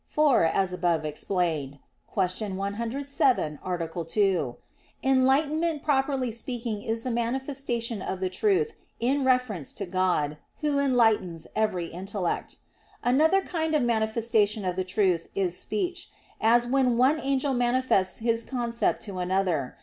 For, as above explained (Q. 107, A. 2), enlightenment properly speaking is the manifestation of the truth in reference to God, Who enlightens every intellect. Another kind of manifestation of the truth is speech, as when one angel manifests his concept to another.